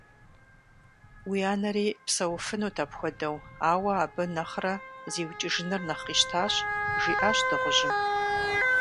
Уи анэри псэуфынут апхуэдэу, ауэ абы нэхърэ зиукӀыжыныр нэхъ къищтащ, - жиӏащ дыгъужьым.